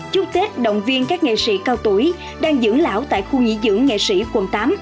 chúc tết động viên các nghệ sĩ cao tuổi đang dưỡng lão tại khu nghỉ dưỡng nghệ sĩ quận tám